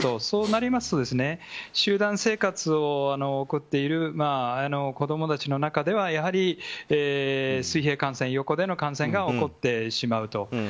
そうなりますと集団生活を送っている子供たちの中ではやはり水平感染横での感染が起こってしまうと。